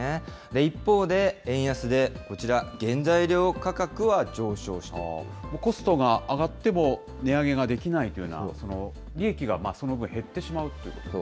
一方で、円安でこちら、原材料価コストが上がっても、値上げができないというのは、利益がその分減ってしまうということです